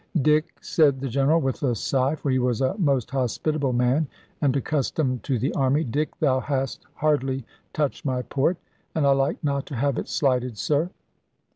"Dick," said the General, with a sigh, for he was a most hospitable man, and accustomed to the army; "Dick, thou hast hardly touched my port; and I like not to have it slighted, sir."